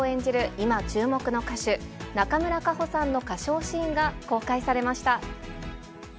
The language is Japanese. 今注目の歌手、中村佳穂さんの歌唱シーンが公開されました。